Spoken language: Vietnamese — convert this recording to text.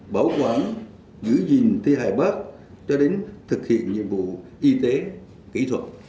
bảo quản giữ gìn thi hài bắc cho đến thực hiện nhiệm vụ y tế kỹ thuật